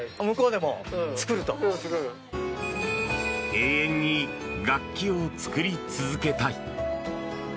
永遠に楽器を作り続けたい。